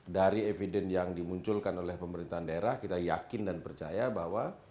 dari evidence yang dimunculkan oleh pemerintahan daerah kita yakin dan percaya bahwa